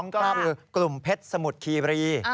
ก็คือกลุ่มเพชรสมุทรคีรี